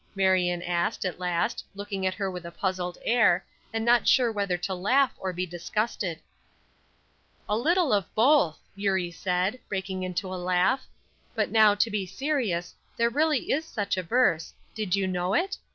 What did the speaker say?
Marion asked, at last, looking at her with a puzzled air, and not sure whether to laugh or be disgusted. "A little of both," Eurie said, breaking into a laugh. "But now, to be serious, there really is such a verse; did you know it?